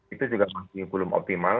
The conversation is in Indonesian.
itu juga masih belum optimal